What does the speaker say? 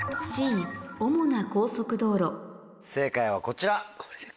正解はこちら。